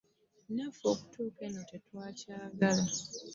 Naffe okutuuka eno tetwakyagala.